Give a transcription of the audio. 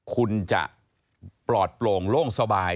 คุณจะปลอดโปร่งโล่งสบาย